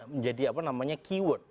menjadi apa namanya keyword